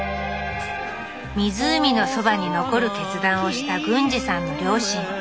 湖のそばに残る決断をした軍治さんの両親。